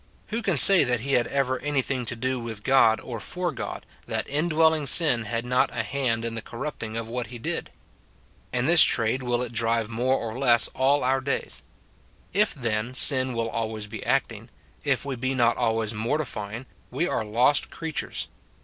Who can say that he had ever anything to do with God or for God, that indwelling sin had not a hand in the corrupting of what he did ? And this trade will it drive more or less all our days. If, then, sin will be always acting, if we be not always mortifying, we are lost creatures.